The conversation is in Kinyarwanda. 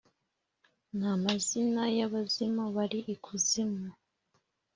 n’amazina y’abazimu bari ikuzimu